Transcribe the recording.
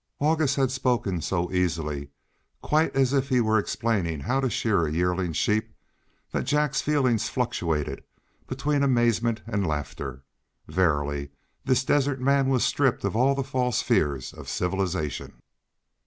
August had spoken so easily, quite as if he were explaining how to shear a yearling sheep, that Jack's feelings fluctuated between amazement and laughter. Verily this desert man was stripped of all the false fears of civilization.